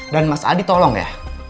dan mas adi tolong ya